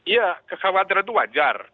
ya kekhawatiran itu wajar